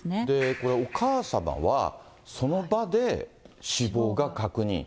これ、お母様はその場で死亡が確認。